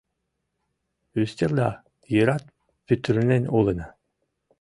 Ӱстелда йырат пӱтырнен улына.